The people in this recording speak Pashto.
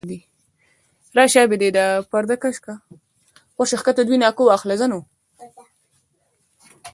د روزنې لارې چارې یې ځانګړې دي.